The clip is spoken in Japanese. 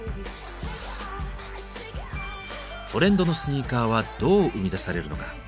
トレンドのスニーカーはどう生み出されるのか。